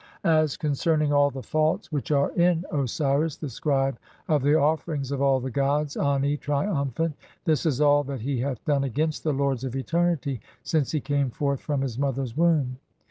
As concerning all the faults which are in (97) Osiris, the scribe of the offerings of all the gods, Ani, triumphant, [this is all that he hath done against the lords of eternity J ] since he came forth from (98) his mother's womb.